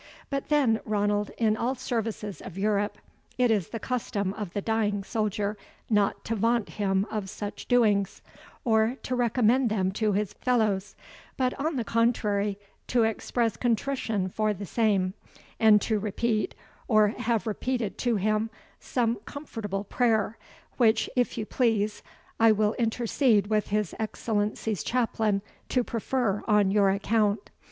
But then, Ranald, in all services of Europe, it is the custom of the dying soldier not to vaunt him of such doings, or to recommend them to his fellows; but, on the contrary, to express contrition for the same, and to repeat, or have repeated to him, some comfortable prayer; which, if you please, I will intercede with his Excellency's chaplain to prefer on your account.